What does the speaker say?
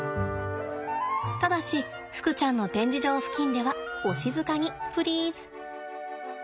ただしふくちゃんの展示場付近ではお静かにプリーズ。